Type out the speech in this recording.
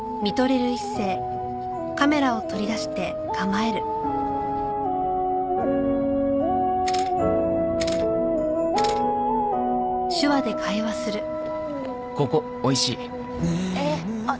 えっ！